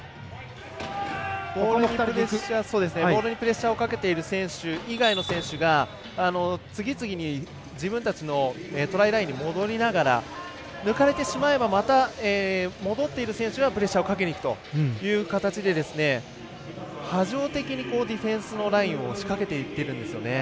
ボールにプレッシャーをかけている選手以外の選手が次々に自分たちのトライラインに戻りながら抜かれてしまえばまた戻っている選手がプレッシャーをかけにいくという形で波状的にディフェンスのラインを仕掛けていってるんですよね。